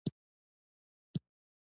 هیله درلوده.